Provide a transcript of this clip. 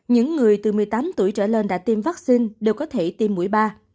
những người từ một mươi tám tuổi trở lên đã tiêm vaccine đều có thể tiêm mũi ba